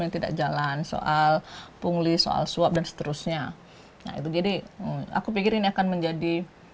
yang tidak jalan soal pungli soal suap dan seterusnya itu jadi aku pikir ini akan menjadi